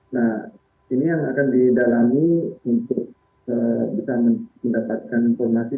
nah ini yang akan didalami untuk bisa mendapatkan informasi